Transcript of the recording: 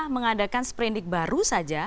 mengadakan sprendik baru saja